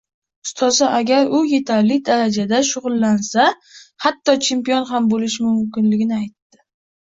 Ustozi, agar u yetarli darajada shugʻullansa, hatto chempion ham boʻlishi mumkinligini aytdi